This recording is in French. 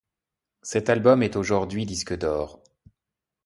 Cet album est aujourd'hui disque d'or.